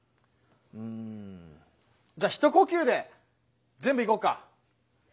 うんじゃ一呼吸で全部いこうか。